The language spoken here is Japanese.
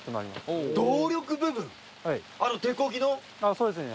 そうですね